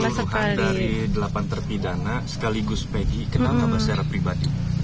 tapi secara keseluruhan dari delapan terpidana sekaligus peggy kenal nggak secara pribadi